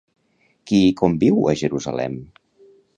Qui hi conviu a Jerusalem?